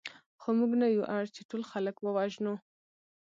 خو موږ نه یو اړ چې ټول خلک ووژنو